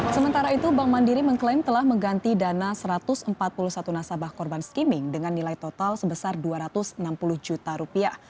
sementara itu bank mandiri mengklaim telah mengganti dana satu ratus empat puluh satu nasabah korban skimming dengan nilai total sebesar dua ratus enam puluh juta rupiah